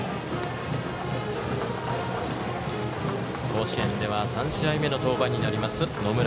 甲子園では３試合目の登板になります、野村。